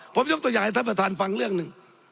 ผมยกตัวอย่างให้ท่านประธานฟังเรื่องหนึ่ง